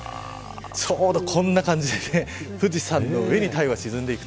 ちょうどこんな感じで富士山の上に太陽が沈んでいく。